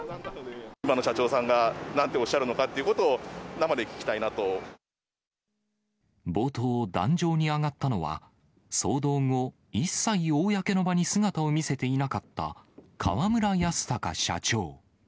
今の社長さんがなんておっしゃるのかっていうことを、生で聞冒頭、壇上に上がったのは、騒動後、一切、公の場に姿を見せていなかった、河村泰貴社長。